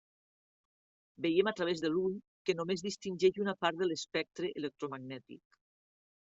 Veiem a través de l'ull, que només distingeix una part de l'espectre electromagnètic.